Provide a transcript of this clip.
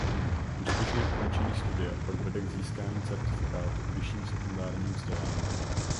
Úspěšné ukončení studia pak vede k získání certifikátu o vyšším sekundárním vzdělání.